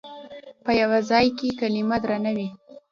په یوه ځای کې کلمه درنه وي.